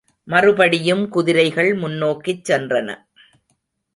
மறுபடியும் குதிரைகள் முன்னோக்கிச் சென்றன.